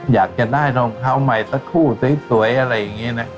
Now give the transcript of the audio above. อยากจะได้รองเท้าใหม่สักคู่สวยอะไรอย่างนี้นะ